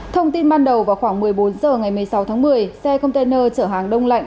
thông tin ban đầu vào khoảng một mươi bốn h ngày một mươi sáu tháng một mươi xe container chở hàng đông lạnh